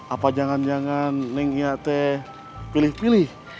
apa jangan jangan neng iya te pilih pilih